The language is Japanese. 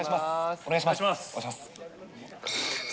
お願いします。